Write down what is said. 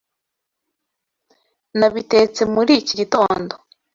Nabitetse muri iki gitondo.